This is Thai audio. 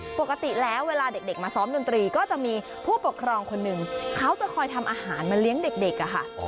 ปกติแล้วเวลาเด็กมาซ้อมดนตรีก็จะมีผู้ปกครองคนหนึ่งเขาจะคอยทำอาหารมาเลี้ยงเด็กอะค่ะ